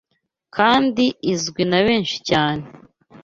kandi izwi na benshi cyane